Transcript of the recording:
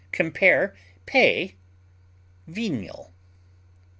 Compare PAY; VENIAL.